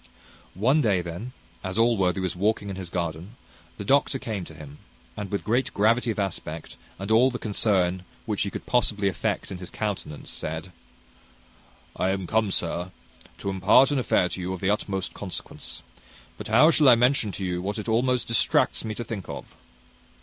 One day, then, as Allworthy was walking in his garden, the doctor came to him, and, with great gravity of aspect, and all the concern which he could possibly affect in his countenance, said, "I am come, sir, to impart an affair to you of the utmost consequence; but how shall I mention to you what it almost distracts me to think of!"